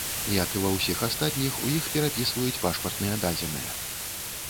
Як і ва ўсіх астатніх, у іх перапісваюць пашпартныя дадзеныя.